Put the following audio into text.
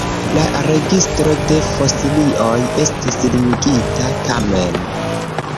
La registro de fosilioj estis limigita, tamen.